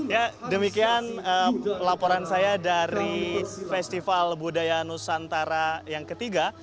ya demikian laporan saya dari festival budaya nusantara yang ketiga